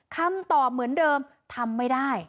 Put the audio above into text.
คำตอบเหมือนเดิมทำไม่ได้